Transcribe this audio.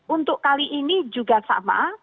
untuk kali ini juga sama